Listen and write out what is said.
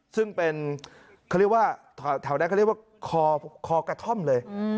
ซึ่งเป็นเขาเรียกว่าแถวนั้นเขาเรียกว่าคอกระท่อมเลย